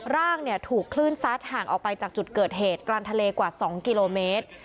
ร่างถูกคลื่นซัดห่างออกไปจากจุดเกิดเหตุกลางทะเลกว่า๒กิโลเมตร